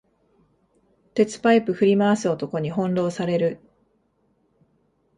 鉄パイプ振り回す男に翻弄される